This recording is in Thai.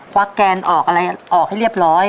วักแกนออกอะไรออกให้เรียบร้อย